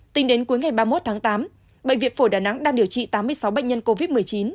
tính đến cuối ngày ba mươi một tháng tám bệnh viện phổi đà nẵng đang điều trị tám mươi sáu bệnh nhân covid một mươi chín